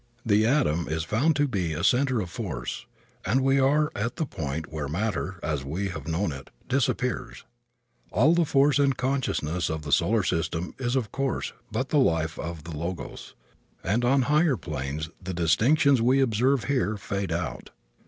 The atom is found to be a center of force, and we are at the point where matter, as we have known it, disappears. All the force and consciousness of the solar system is, of course, but the life of the Logos, and on higher planes the distinctions we observe here fade out.